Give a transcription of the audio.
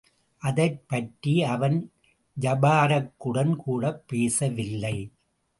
அதைப் பற்றி அவன் ஜபாரக்குடன் கூடப் பேசவில்லை.